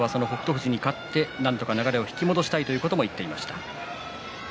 富士に勝って流れをなんとか引き戻したいということも言っていました。